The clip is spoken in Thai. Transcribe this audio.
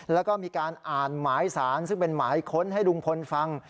แล้วก็มีการอ่านหมายสารซึ่งเป็นหมายค้นให้ลุงพลฟัง